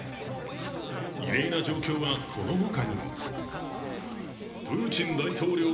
異例な状況はこの他にも。